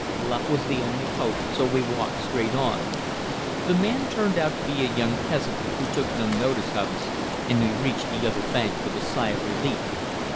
Bluff was the only hope, so we walked straight on. The man turned out to be a young peasant, who took no notice of us, and we reached the other bank with a sigh of relief.